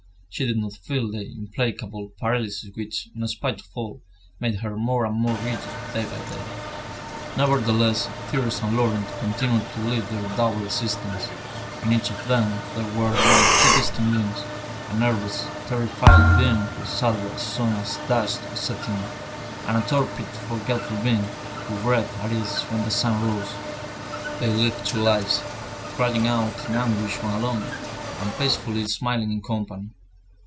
She did not feel the implacable paralysis which, in spite of all, made her more and more rigid day by day. Nevertheless, Thérèse and Laurent continued to lead their double existence. In each of them there were like two distinct beings: a nervous, terrified being who shuddered as soon as dusk set in, and a torpid forgetful being, who breathed at ease when the sun rose. They lived two lives, crying out in anguish when alone, and peacefully smiling in company.